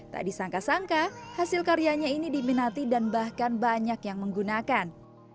tak disangka sangka hasil karyanya ini diminati dan bahkan banyak yang menggunakan